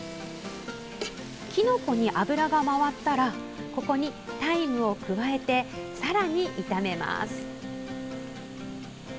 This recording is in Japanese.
きのこに油が回ったらタイムを加えて、さらに炒めます。